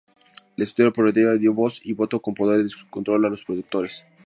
La estructura cooperativa dio voz y voto, con poder de control, a los productores.